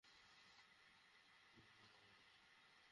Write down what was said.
আমি সিট থেকে নেমে দুহাতে বাইকের হ্যান্ডেল ধরে জোরে একটা ঝাঁকুনি দিলাম।